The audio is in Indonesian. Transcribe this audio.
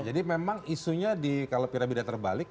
jadi memang isunya di kalau piramida terbalik